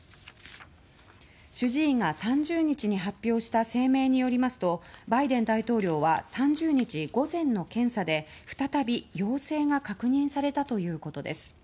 主治医が３０日に発表した声明によりますとバイデン大統領は３０日午前の検査で再び陽性が確認されたということです。